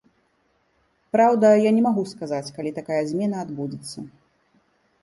Праўда, я не магу сказаць, калі такая змена адбудзецца.